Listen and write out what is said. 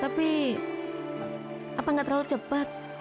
tapi apa nggak terlalu cepat